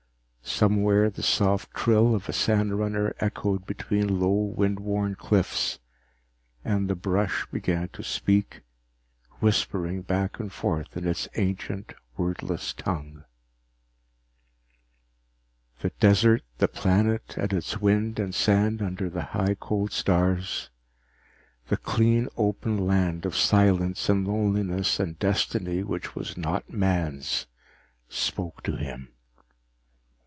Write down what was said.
Somewhere the soft trill of a sandrunner echoed between low wind worn cliffs, and the brush began to speak, whispering back and forth in its ancient wordless tongue. The desert, the planet and its wind and sand under the high cold stars, the clean open land of silence and loneliness and a destiny which was not man's, spoke to him.